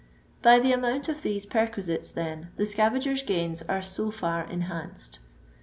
By the amooBt of these perquisites, then, the scavagers' gaini an so far enhanced.